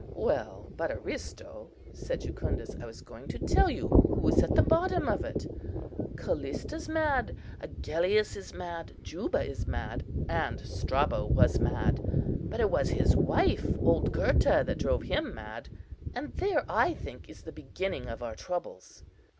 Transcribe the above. "Well, but, Aristo," said Jucundus, "I was going to tell you who is at the bottom of it all. Callista's mad; Agellius is mad; Juba is mad; and Strabo was mad;—but it was his wife, old Gurta, that drove him mad;—and there, I think, is the beginning of our troubles.